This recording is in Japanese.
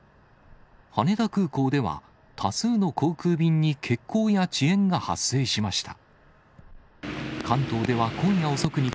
羽田空港では、多数の航空便に欠航や遅延が発生しました。